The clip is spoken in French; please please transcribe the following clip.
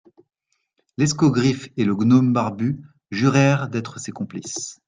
L'escogriffe et le gnome barbu jurèrent d'être ses complices.